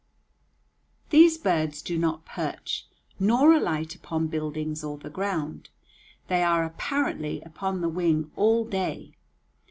These birds do not perch, nor alight upon buildings or the ground. They are apparently upon the wing all day.